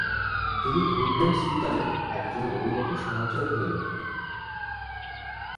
তিনি হুররেম সুলতানের একজন অনুগত সহচর হয়ে ওঠেন।